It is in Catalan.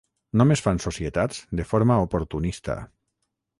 Només fan societats de forma oportunista.